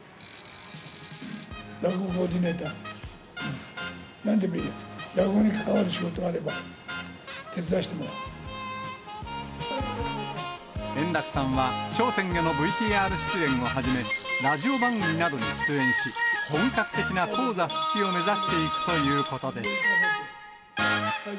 落語コーディネーター、なんでもいいや、落語に関わる仕事があれ円楽さんは、笑点へのＶＴＲ出演をはじめ、ラジオ番組などに出演し、本格的な高座復帰を目指していくということです。